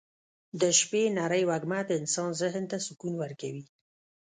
د شپې نرۍ وږمه د انسان ذهن ته سکون ورکوي.